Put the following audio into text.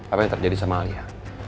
apa yang terjadi sama alia